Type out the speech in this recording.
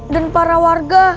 dan para warga